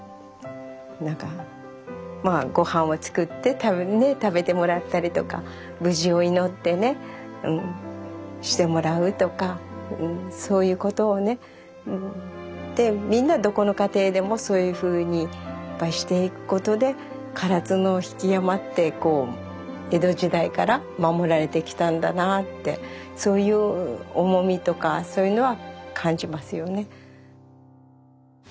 何かまあ御飯は作ってね食べてもらったりとか無事を祈ってねしてもらうとかそういうことをねでみんなどこの家庭でもそういうふうにいっぱいしていくことで唐津の曳山って江戸時代から守られてきたんだなあってそういう重みとかそういうのは感じますよね。